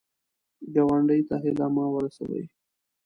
ګاونډي ته هیله مه ورسوې